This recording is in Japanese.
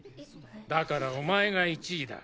だからお前が１位だ。